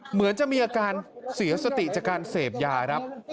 เหมือนจะมีอาการเสียสติจากการเสพยาครับ